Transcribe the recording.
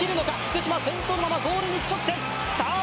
福島先頭のままゴールに一直線さあ